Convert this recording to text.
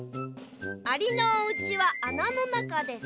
「アリのおうちはあなのなかです」。